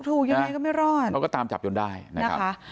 ถูกยังไงก็ไม่รอดแล้วก็ตามจับยนต์ได้นะคะ